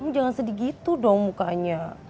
jangan sedih gitu dong mukanya